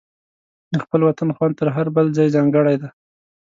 د خپل وطن خوند تر هر بل ځای ځانګړی دی.